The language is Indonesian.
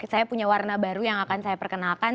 saya punya warna baru yang akan saya perkenalkan